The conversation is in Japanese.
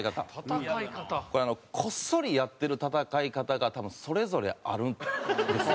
これこっそりやってる戦い方が多分それぞれあるんですよ。